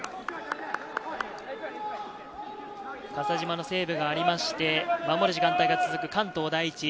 笠島のセーブがありまして守る時間帯が続く関東第一。